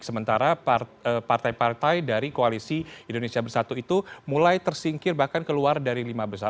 sementara partai partai dari koalisi indonesia bersatu itu mulai tersingkir bahkan keluar dari lima besar